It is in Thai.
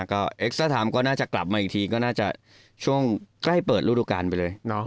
ก็เอ็กซาไทม์ก็น่าจะกลับมาอีกทีก็น่าจะช่วงใกล้เปิดฤดูการไปเลย